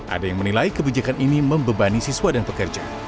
ada yang menilai kebijakan ini membebani siswa dan pekerja